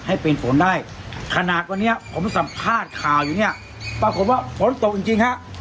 ให้เป็นฝนได้ขนาดวันนี้ผมสัมภาษณ์ข่าวอยู่เนี่ยปรากฏว่าฝนตกจริงจริงฮะ